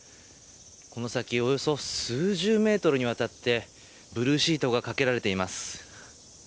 この先およそ数十メートルにわたってブルーシートがかけられています。